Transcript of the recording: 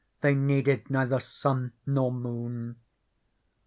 They needed neither sun nor moon.